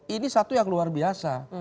ini satu yang luar biasa